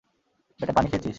বেটা পানি খেয়েছিস?